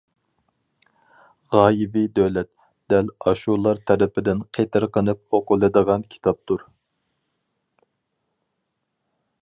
«غايىۋى دۆلەت» دەل ئاشۇلار تەرىپىدىن قېتىرقىنىپ ئوقۇلىدىغان كىتابتۇر.